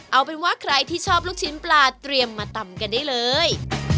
เอาเป็นว่าใครที่ชอบลูกชิ้นปลาเตรียมมาตำกันได้เลย